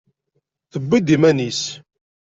Tewwi-d iman-is.